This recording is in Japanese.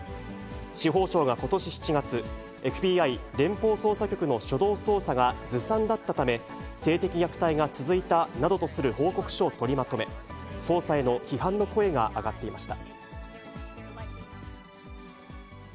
司法省がことし７月、ＦＢＩ・連邦捜査局の初動捜査がずさんだったため、性的虐待が続いたなどとする報告書を取りまとめ、捜査への批判の声が上がっていました。